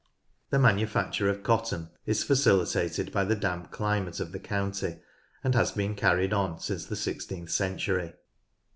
The manufacture of cotton is facilitated by the damp climate of the county and has been carried on since the sixteenth century.